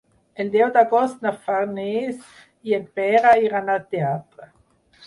El deu d'agost na Farners i en Pere iran al teatre.